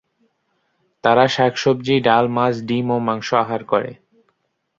তারা শাকসবজি, ডাল, মাছ, ডিম ও মাংস আহার করে।